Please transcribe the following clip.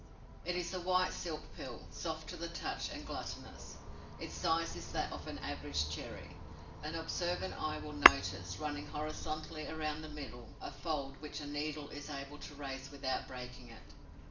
It is a white silk pill, soft to the touch and glutinous. Its size is that of an average cherry. An observant eye will notice, running horizontally around the middle, a fold which a needle is able to raise without breaking it.